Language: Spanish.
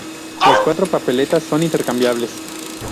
Las cuatro papeletas son intercambiables.